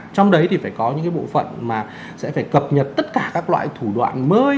trong đấy thì phải có những cái bộ phận mà sẽ phải cập nhật tất cả các loại thủ đoạn mới